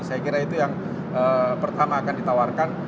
saya kira itu yang pertama akan ditawarkan